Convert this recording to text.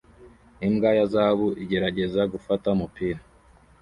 imbwa ya zahabu igerageza gufata umupira